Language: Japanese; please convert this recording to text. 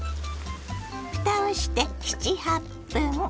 ふたをして７８分。